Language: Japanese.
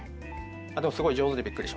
でもすごい上手でびっくりしました。